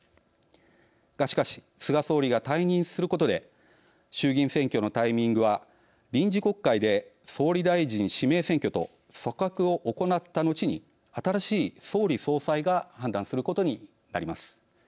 がしかし菅総理が退任することで衆議院選挙のタイミングは臨時国会で総理大臣指名選挙と組閣を行ったのちに新しい総理総裁が判断することになります。